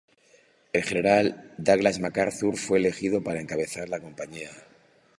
El general Douglas MacArthur fue elegido para encabezar la compañía.